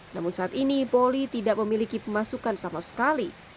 namun saat ini poli tidak memiliki pemasukan sama sekali